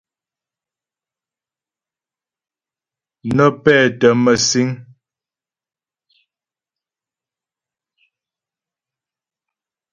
Nə́ pɛ́tə́ mə̂síŋ.